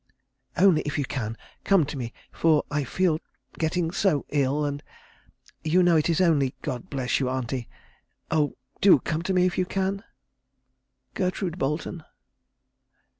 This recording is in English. Only if you can, come to me, for I feel getting so ill, and you know it is only God bless you, auntie; oh, do come to me if you can. "GERTRUDE BOLETON."